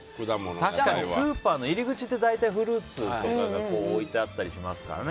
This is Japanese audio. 確かにスーパーの入り口でフルーツが置いてあったりしますからね